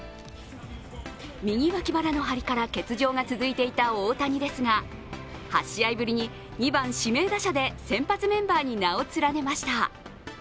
右脇腹の張りから欠場が続いていた大谷ですが、８試合ぶりに２番・指名打者で先発メンバーに名を連ねました。